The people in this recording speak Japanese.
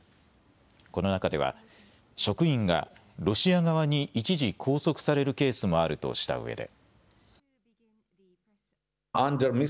この中では職員がロシア側に一時拘束されるケースもあるとしたうえで。